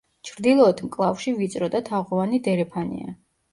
ჩრდილოეთ მკლავში ვიწრო და თაღოვანი დერეფანია.